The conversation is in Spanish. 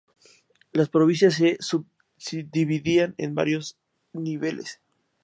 Las provincias se subdividían en varios niveles.